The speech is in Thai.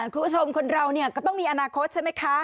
คุณผู้ชมคนเราก็ต้องมีอนาคตใช่ไหมคะ